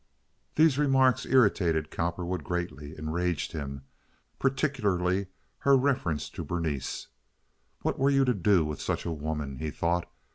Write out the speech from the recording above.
These remarks irritated Cowperwood greatly—enraged him—particularly her references to Berenice. What were you to do with such a woman? he thought.